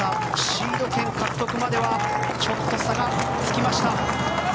シード権獲得まではちょっと差がつきました。